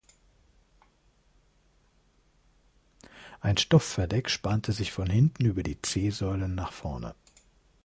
Ein Stoffverdeck spannte sich von hinten über die C-Säulen nach vorne.